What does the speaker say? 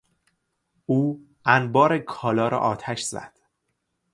او انبار کالا را آتش زد.